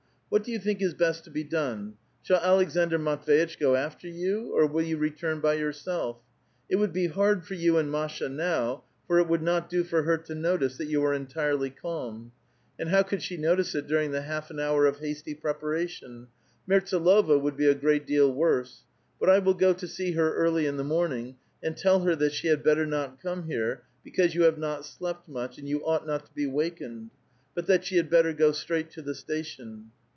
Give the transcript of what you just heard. What do 3'ou think is best to be done? Shall Aleksandr Matv^itch go after you, or will you return by yourself ? It would be hard for you and Masha now, for it would not do for her to notice that you are entirely calm. And how could she notice it during the half an hour of hasty preparations ? Merts^lova would be a great deal worse. But I will go to see her early in the morning, and tell her that she had better not come here, because you have not slept much, and you ought not to be wakened, but that she had better go straight to the station."